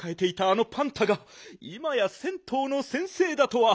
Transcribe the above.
あのパンタがいまや銭湯の先生だとは。